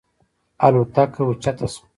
الوتکه اوچته شوه.